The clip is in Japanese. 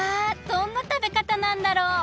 どんな食べかたなんだろう？